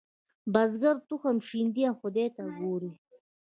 بزګر تخم شیندي او خدای ته ګوري.